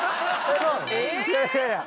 いやいやいや。